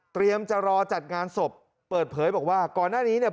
จะรอจัดงานศพเปิดเผยบอกว่าก่อนหน้านี้เนี่ย